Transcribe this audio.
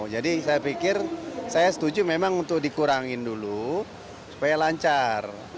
jadi saya pikir saya setuju memang untuk dikurangin dulu supaya lancar